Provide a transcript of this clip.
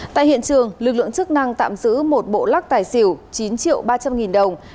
tại hiện trường lực lượng chức năng tạm giữ một bộ lắc tài xỉu chín triệu ba trăm linh nghìn đồng